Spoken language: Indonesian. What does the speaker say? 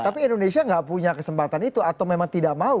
tapi indonesia nggak punya kesempatan itu atau memang tidak mau